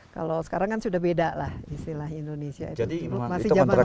kalau sekarang kan sudah beda lah istilah indonesia itu